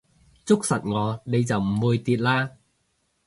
捉實我你就唔會跌啦